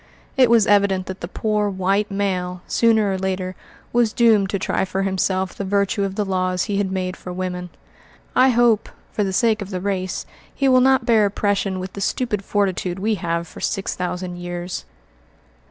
It was evident that the poor "white male," sooner or later, was doomed to try for himself the virtue of the laws he had made for women. I hope, for the sake of the race, he will not bear oppression with the stupid fortitude we have for six thousand years.